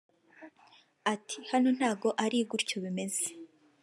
Ati "Hano ntago ari gutyo bimeze